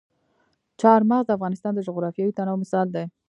چار مغز د افغانستان د جغرافیوي تنوع مثال دی.